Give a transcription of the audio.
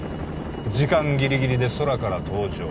時間ギリギリで空から登場